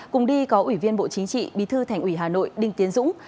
cùng đi có ủy viên bộ chính trị bí thư thành ủy hà nội đinh tiến dũng